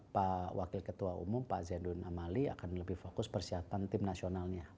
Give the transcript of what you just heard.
pak wakil ketua umum pak zainud amali akan lebih fokus persiapan tim nasionalnya